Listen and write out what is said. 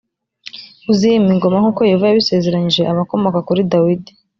uzima ingoma nk’ uko yehova yabisezeranyije abakomoka kuri dawidi.